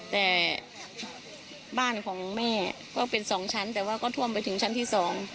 แต่บ้านของแม่ก็เป็นสองชั้นแต่ว่าก็ท่วมไปถึงชั้นที่สอง